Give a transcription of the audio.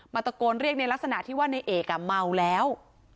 ตะโกนเรียกในลักษณะที่ว่าในเอกเมาแล้ว